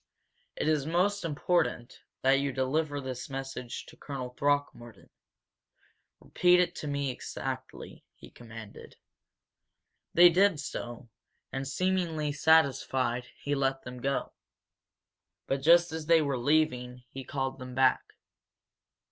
It is most important that you deliver this message to Colonel Throckmorton. Repeat it to me exactly," he commanded. They did so, and, seemingly satisfied, he let them go. But just as they were leaving, he called them back.